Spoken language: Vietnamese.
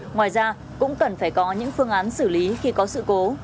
ngoài ra cũng cần phải có những phương án xử lý khi có sự cố